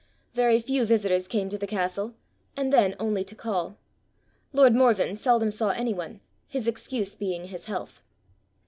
Very few visitors came to the castle, and then only to call. Lord Morven seldom saw any one, his excuse being his health.